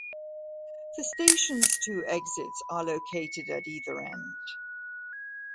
The station's two exits are located at either end.